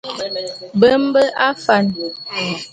Be mbe afan.